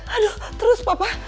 aduh terus papa